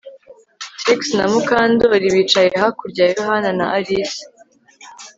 Trix na Mukandoli bicaye hakurya ya Yohana na Alice